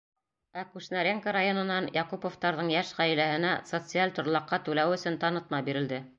Ә Кушнаренко районынан Яҡуповтарҙың йәш ғаиләһенә социаль торлаҡҡа түләү өсөн танытма бирелде.